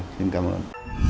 xin cảm ơn